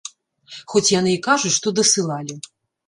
Хоць яны і кажуць, што дасылалі.